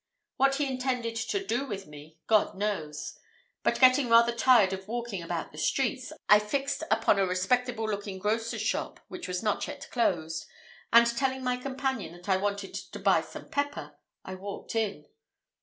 What he intended to do with me, God knows; but getting rather tired of walking about the streets, I fixed upon a respectable looking grocer's shop, which was not yet closed, and telling my companion that I wanted to buy some pepper, I walked in.